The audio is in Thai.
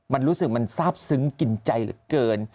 มันรู้สึกมันทราบซึ้งกินใจเหลือเกิน